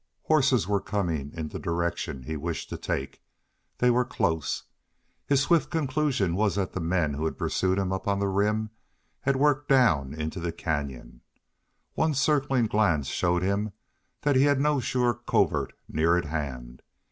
Horses were coming in the direction he wished to take. They were close. His swift conclusion was that the men who had pursued him up on the Rim had worked down into the canyon. One circling glance showed him that he had no sure covert near at hand.